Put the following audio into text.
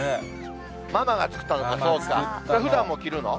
ママが作ったのか、ふだんも着るの？